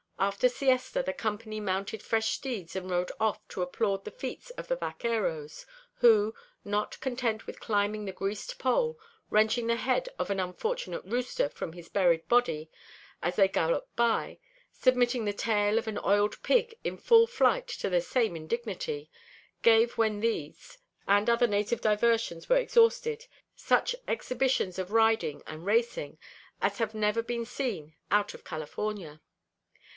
After siesta the company mounted fresh steeds and rode off to applaud the feats of the vaqueros, who, not content with climbing the greased pole, wrenching the head of an unfortunate rooster from his buried body as they galloped by, submitting the tail of an oiled pig in full flight to the same indignity, gave when these and other native diversions were exhausted, such exhibitions of riding and racing as have never been seen out of California.